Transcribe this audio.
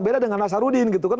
beda dengan nasarudin gitu kan